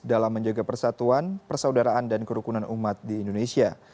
dalam menjaga persatuan persaudaraan dan kerukunan umat di indonesia